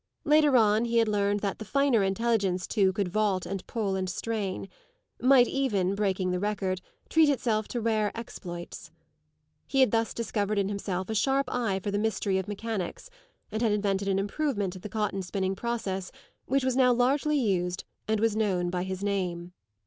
Later on he had learned that the finer intelligence too could vault and pull and strain might even, breaking the record, treat itself to rare exploits. He had thus discovered in himself a sharp eye for the mystery of mechanics, and had invented an improvement in the cotton spinning process which was now largely used and was known by his name.